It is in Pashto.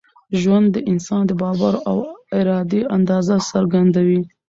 ژوند د انسان د باور او ارادې اندازه څرګندوي.